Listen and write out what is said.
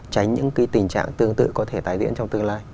tránh những tình trạng tương tự có thể tái diễn trong tương lai